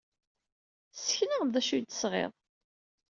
Ssken-aɣ-d d acu ay d-tesɣid.